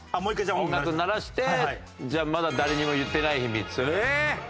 音楽鳴らしてじゃあ「まだ誰にも言ってない秘密」。